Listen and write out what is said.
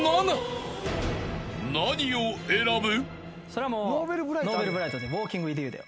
［何を選ぶ？］